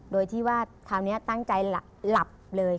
โดยที่ว่าคราวนี้ตั้งใจหลับเลย